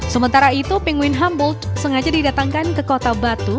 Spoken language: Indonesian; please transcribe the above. sementara itu pingwin humboldt sengaja didatangkan ke kota batu